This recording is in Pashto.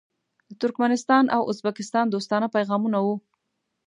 د ترکمنستان او ازبکستان دوستانه پیغامونه وو.